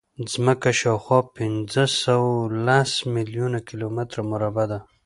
ځمکه شاوخوا پینځهسوهلس میلیونه کیلومتره مربع ده.